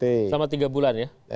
selama tiga bulan ya